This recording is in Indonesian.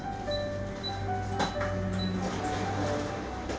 di tangani oleh bumdes